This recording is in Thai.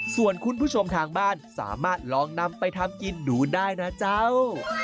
ส่วนคุณผู้ชมทางบ้านสามารถลองนำไปทำกินดูได้นะเจ้า